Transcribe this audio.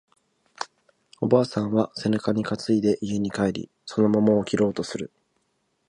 おばあさんは背中に担いで家に帰り、その桃を切ろうとする